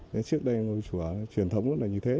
thế trước đây ngôi chùa truyền thống rất là như thế